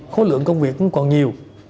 khối lượng công việc cũng còn nhiều